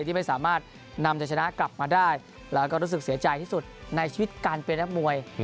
ที่ไม่สามารถนำจะชนะกลับมาได้แล้วก็รู้สึกเสียใจที่สุดในชีวิตการเป็นนักมวย